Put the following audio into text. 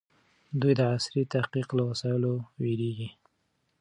دوی د عصري تحقيق له وسایلو وېرېږي.